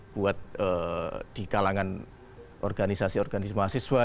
buat di kalangan organisasi organisasi mahasiswa